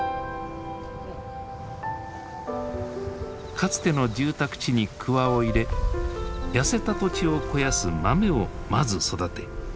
かつての住宅地に鍬を入れ痩せた土地を肥やす豆をまず育て土を作り直す。